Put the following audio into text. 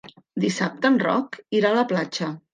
Dissabte en Roc irà a la platja.